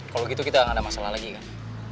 kalau gitu kita nggak ada masalah lagi kan